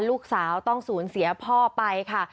ลูกสาวต้องสูญเสียพ่อไปค่ะ